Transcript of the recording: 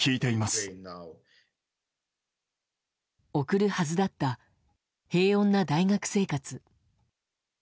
送るはずだった平穏な大学生活。